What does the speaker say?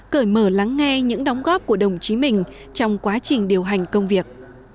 cởi mở lắng nghe những đóng góp của đồng chí mình trong quá trình điều hành công việc